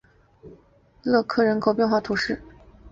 勒科人口变化图示